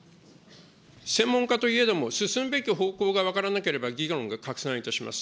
専門家といえども、進むべき方向が分からなければ、議論が拡散いたします。